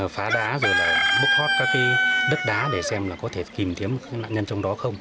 phá đá rồi là bốc hót các cái đất đá để xem là có thể tìm kiếm một nạn nhân trong đó không